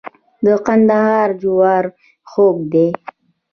د کندهار جوار خوږ دي.